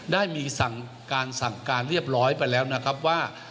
ได้มีการสั่งการเรียบร้อยไปแล้วนะครับว่า